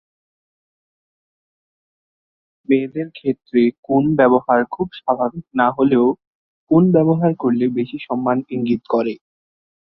মেয়েদের ক্ষেত্রে "কুন" ব্যবহার খুব স্বাভাবিক না হলেও, "কুন" ব্যবহার করলে বেশি সম্মান ইঙ্গিত করে।